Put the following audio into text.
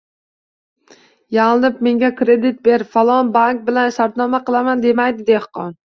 Yalinib, menga kredit ber, falon bank bilan shartnoma qilaman, demaydi dehqon.